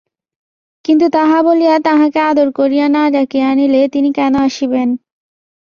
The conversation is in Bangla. কিন্তু তাহা বলিয়া তাঁহাকে আদর করিয়া না ডাকিয়া আনিলে তিনি কেন আসিবেন?